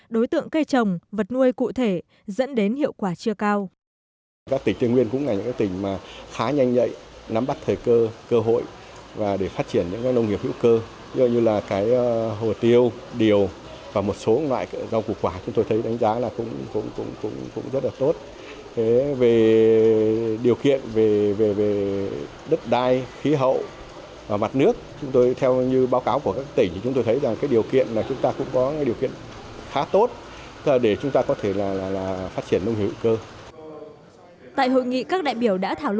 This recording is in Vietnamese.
đối tượng cây trồng vật nuôi cụ thể dẫn đến hiệu quả chưa cao